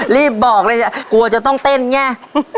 รีบบอกเลยกลัวจะต้องเต้นไง